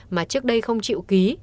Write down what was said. mà trước đây không chịu ký